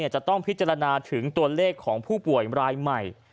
จะต้องพิจารณาถึงตัวเลขของผู้ป่วยรายใหม่